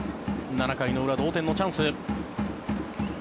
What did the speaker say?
７回の裏、同点のチャンス。